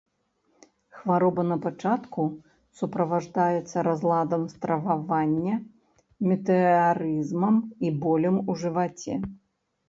Хвароба на пачатку суправаджаецца разладам стрававання, метэарызмам і болем у жываце.